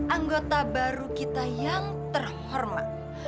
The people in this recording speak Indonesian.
anggota baru kita yang terhormat